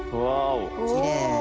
きれい！